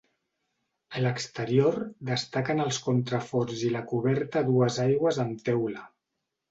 A l'exterior destaquen els contraforts i la coberta a dues aigües amb teula.